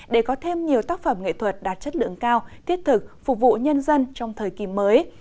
để có thêm nhiều tác phẩm nghệ thuật đạt chất lượng cao thiết thực phục vụ nhân dân trong thời kỳ mới